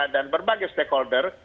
dan berbagai stakeholder